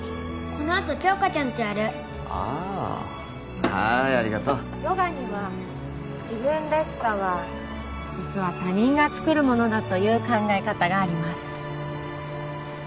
このあと杏花ちゃんとやるあはいありがとうヨガには自分らしさは実は他人がつくるものだという考え方があります